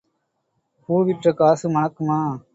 பூ விற்ற காசு மணக்குமா?